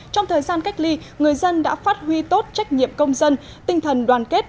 trong thời gian cách ly người dân đã phát huy tốt trách nhiệm công dân tinh thần đoàn kết